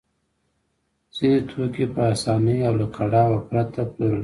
ځینې توکي په اسانۍ او له کړاوه پرته پلورل کېږي